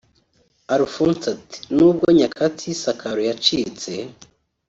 Alphonse ati "N’ubwo Nyakatsi y’isakaro yacitse